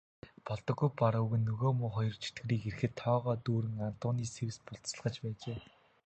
Болдоггүй Бор өвгөн нөгөө муу хоёр чөтгөрийг ирэхэд тогоо дүүрэн адууны сэвс буцалгаж байжээ.